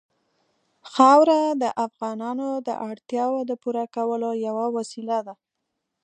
خاوره د افغانانو د اړتیاوو د پوره کولو یوه وسیله ده.